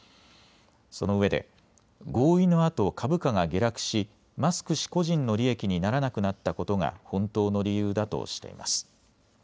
そのうえで合意のあと株価が下落しマスク氏個人の利益にならなくなったことが本当の理由だとしています。